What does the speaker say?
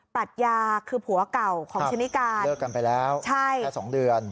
ปรัชญาคือผัวเก่าของชนิกาเลิกกันไปแล้วแค่สองเดือน